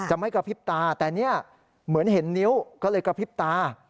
ไม่กระพริบตาแต่เนี่ยเหมือนเห็นนิ้วก็เลยกระพริบตา